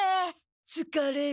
つかれる。